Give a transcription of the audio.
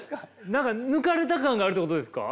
何か抜かれた感があるってことですか？